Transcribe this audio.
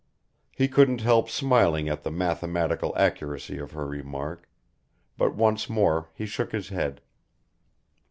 He couldn't help smiling at the mathematical accuracy of her remark, but once more he shook his head.